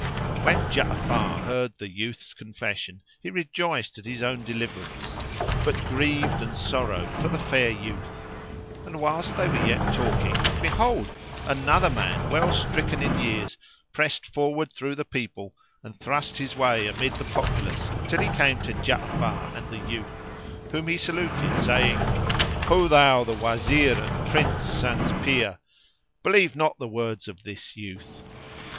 When Ja'afar heard the youth's confession he rejoiced at his own deliverance. but grieved and sorrowed for the fair youth; and whilst they were yet talking behold, another man well stricken in years pressed forwards through the people and thrust his way amid the populace till he came to Ja'afar and the youth, whom he saluted saying, "Ho thou the Wazir and Prince sans peer! believe not the words of this youth.